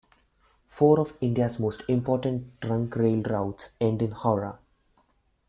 Four of India's most important trunk rail routes end in Howrah.